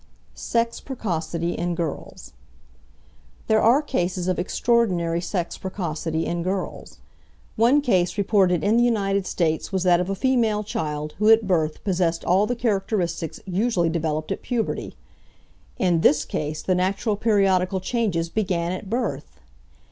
SEX PRECOCITY IN GIRLS There are cases of extraordinary sex precocity in girls. One case reported in the United States was that of a female child who at birth possessed all the characteristics usually developed at puberty. In this case the natural periodical changes began at birth!